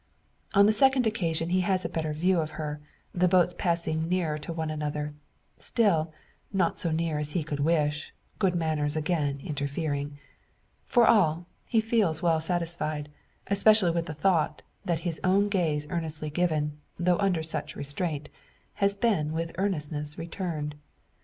On the second occasion he has a better view of her, the boats passing nearer to one another; still, not so near as he could wish, good manners again interfering. For all, he feels well satisfied especially with the thought, that his own gaze earnestly given, though under such restraint, has been with earnestness returned.